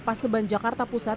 paseban jakarta pusat